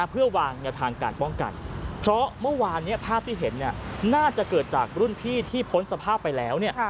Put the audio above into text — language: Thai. เพื่อวางแนวทางการป้องกันเพราะเมื่อวานภาพที่เห็นน่าจะเกิดจากรุ่นพี่ที่พ้นสภาพไปแล้ว